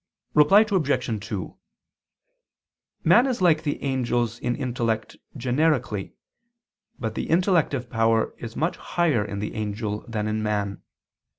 Reply Obj. 2: Man is like the angels in intellect generically, but the intellective power is much higher in the angel than in man.